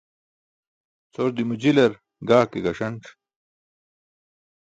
Cʰordimo jilar gaa ke gaṣanc̣.